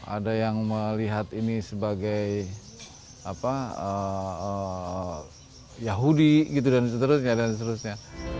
ada yang melihat ini sebagai yahudi gitu dan seterusnya